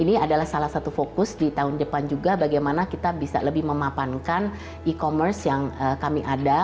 ini adalah salah satu fokus di tahun depan juga bagaimana kita bisa lebih memapankan e commerce yang kami ada